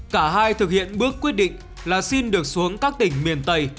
cả hai thực hiện bước quyết định là xin được xuống các tỉnh miền tây